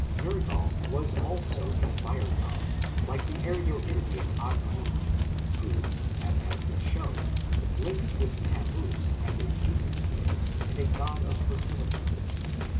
Nergal was also a fire god like the Aryo Indian Agni, who, as has been shown, links with Tammuz as a demon slayer and a god of fertility.